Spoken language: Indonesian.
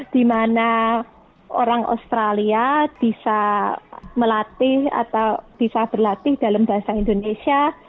di mana orang australia bisa melatih atau bisa berlatih dalam bahasa indonesia